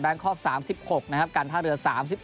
บานคอก๓๖การท่าเรือ๓๑